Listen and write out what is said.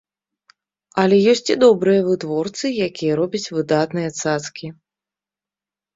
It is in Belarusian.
Але ёсць і добрыя вытворцы, якія робяць выдатныя цацкі.